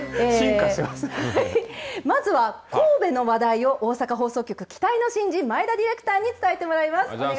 まずは神戸の話題を大阪放送局期待の新人前田ディレクターに伝えてもらいます。